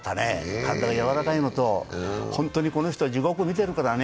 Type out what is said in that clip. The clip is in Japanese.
体がやわらかいのと、本当にこの人は地獄を見ているからね。